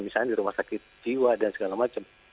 misalnya di rumah sakit jiwa dan segala macam